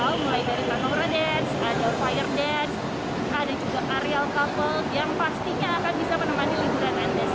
mulai dari kakobra dance ada fire dance ada juga aerial couple yang pastinya akan bisa menemani liburan anda semua